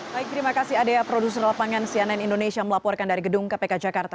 baik terima kasih adea produser lapangan cnn indonesia melaporkan dari gedung kpk jakarta